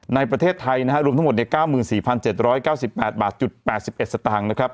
ในประเทศไทยรวมทั้งหมด๙๔๗๙๘บาท๐๑สต